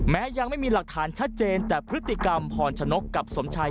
แม้ยังไม่มีหลักฐานชัดเจนแต่พฤติกรรมพรชนกกับสมชาย